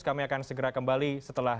kami akan segera kembali setelah